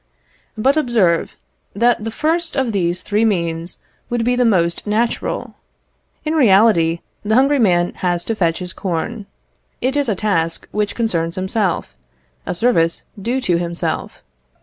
But observe, that the first of these three means would be the most natural. In reality, the hungry man has to fetch his corn. It is a task which concerns himself, a service due to himself.